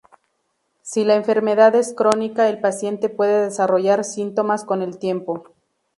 Si la enfermedad es crónica el paciente puede desarrollar síntomas con el tiempo.